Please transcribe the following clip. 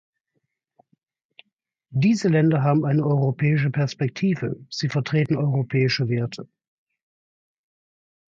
Diese Länder haben eine europäische Perspektive, sie vertreten europäische Werte.